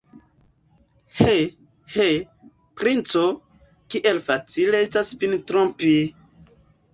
He, he, princo, kiel facile estas vin trompi!